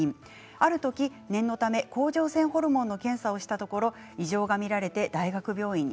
ある時念のため甲状腺ホルモンの検査をしたところ異常が見られて大学病院に。